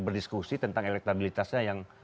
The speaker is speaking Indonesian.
berdiskusi tentang elektabilitasnya yang